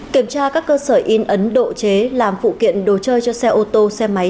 kiểm tra các cơ sở in ấn độ chế làm phụ kiện đồ chơi cho xe ô tô xe máy